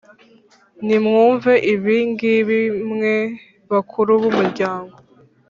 Nimwumve ibi ngibi, mwe bakuru b’umuryango,